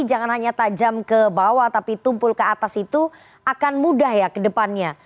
jangan hanya tajam ke bawah tapi tumpul ke atas itu akan mudah ya ke depannya